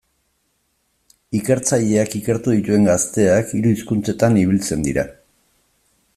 Ikertzaileak ikertu dituen gazteak hiru hizkuntzetan ibiltzen dira.